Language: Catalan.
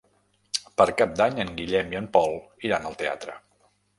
Per Cap d'Any en Guillem i en Pol iran al teatre.